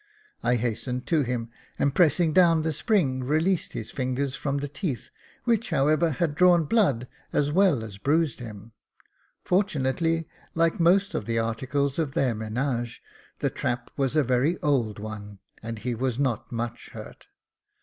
I hastened to him, and pressing down the spring, released his fingers from the teeth, which, however, had drawn blood, as well as bruised him ; fortunately, like most of the articles of their menage, the trap was a very old one, and he was not much hurt.